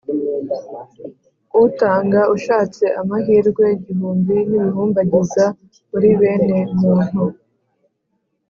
utanga ushatse amahirwe igihumbi n' ibihumbagiza muri bene muntu.